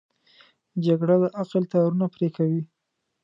جګړه د عقل تارونه پرې کوي